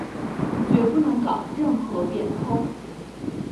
决不能搞任何变通